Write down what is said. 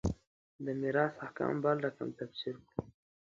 د میراث احکام بل رقم تفسیر کړو.